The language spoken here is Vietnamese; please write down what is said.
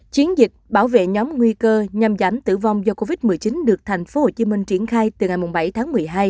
chiến dịch bảo vệ nhóm nguy cơ nhằm giảm tử vong do covid một mươi chín được tp hcm triển khai từ ngày bảy tháng một mươi hai